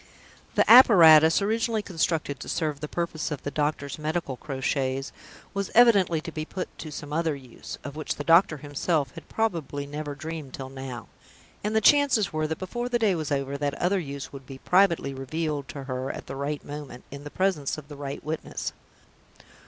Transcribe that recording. The apparatus, originally constructed to serve the purpose of the doctor's medical crotchets, was evidently to be put to some other use, of which the doctor himself had probably never dreamed till now. And the chances were that, before the day was over, that other use would be privately revealed to her at the right moment, in the presence of the right witness.